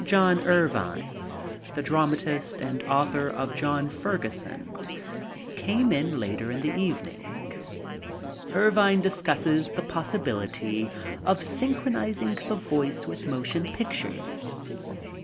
John Ervine, the dramatist and author of John Ferguson, came in later in the evening. Ervine discusses the possibility of synchronizing the voice with motion pictures.